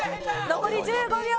残り１５秒。